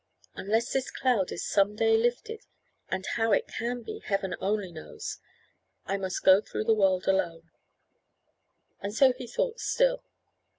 Unless this cloud is some day lifted and how it can be, Heaven only knows I must go through the world alone," and so he thought still.